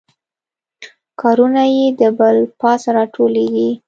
کارونه یو د بل پاسه راټولیږي